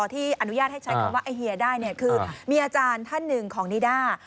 ที่อนุญาตให้ใช้คำว่าไอเฮียได้เนี่ยคือมีอาจารย์ท่านหนึ่งของนิด้า